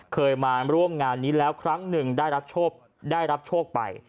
เคยมาร่วมงานนี้แล้วครั้งหนึ่งได้รับโชคไป